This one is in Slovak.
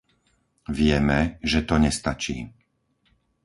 Vieme, že to nestačí.